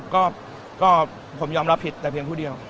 ก็ผมยอมรับผิดแต่เพียงผู้เดียว